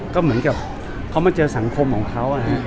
ก็เหมือนกับเขามาเจอสังคมของเขา